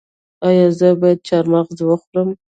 ایا زه باید چهارمغز وخورم؟